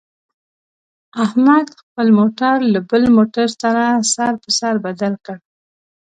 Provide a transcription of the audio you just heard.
احمد خپل موټر له بل موټر سره سر په سر بدل کړ.